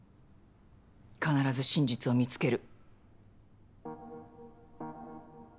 必ず真実を見つける。